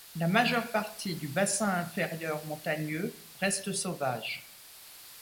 La majeure partie du bassin inférieur montagneux reste sauvage.